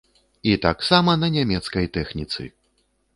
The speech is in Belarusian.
І таксама на нямецкай тэхніцы!